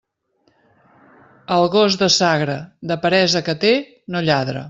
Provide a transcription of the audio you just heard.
El gos de Sagra, de peresa que té, no lladra.